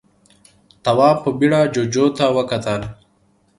تواب په بيړه جُوجُو ته وکتل.